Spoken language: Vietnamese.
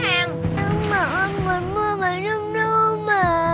nhưng mà con muốn mua bánh trung thu mà